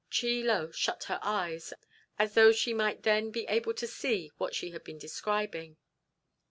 Chie Lo shut her eyes, as though she might then be able to see what she had been describing.